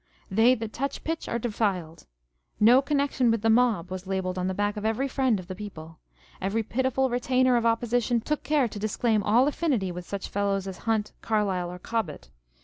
They that touch pitch are defiled. " No connection with the mob," was labelled on the back of every friend of the People. Every pitiful retainer of Opposition took care to disclaim all affinity with such fellows as Hunt, Carlile, or Cobbett.